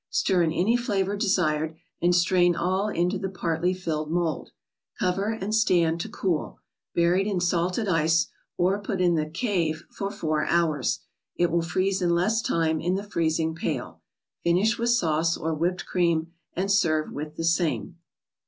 Stir in any flavor desired, and strain all into the partly filled mold. Cover, and stand to cool, buried in salted ice, or put in the " cave " for four hours. It will freeze in less time in the freezing pail. Finish with sauce, or whipped cream, and serve with the same.